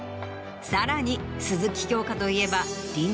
さらに鈴木京香といえば。